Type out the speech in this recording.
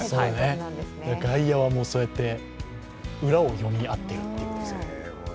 外野はそうやって裏を読み合っているということですね。